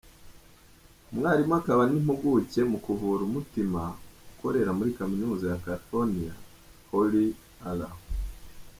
Umwarimu akaba n’impuguke mu kuvura umutima, ukorera muri Kaminuza ya California, Holly R.